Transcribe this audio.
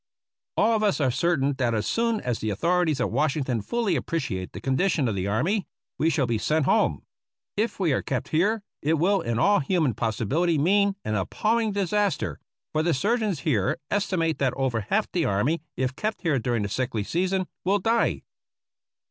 All of us are certain that as soon as the authorities at Washington fully appreciate the condition of the army, we shall be sent home. If we are kept here it will in all human possibiHty mean an appalling disaster, for the sur geons here estimate that over half the army, if kept here during the sickly season, will die.